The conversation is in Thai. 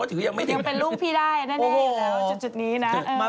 จุดนี้นะ